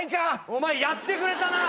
お前やってくれたな。